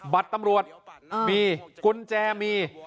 บัตรตำรวจมีกุญแจมี